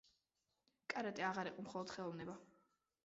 კარატე აღარ იყო მხოლოდ ხელოვნება.